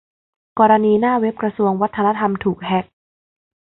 กรณีหน้าเว็บกระทรวงวัฒนธรรมถูกแฮ็ก